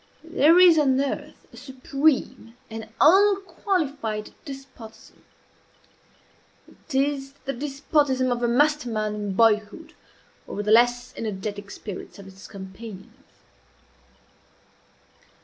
If there is on earth a supreme and unqualified despotism, it is the despotism of a master mind in boyhood over the less energetic spirits of its companions.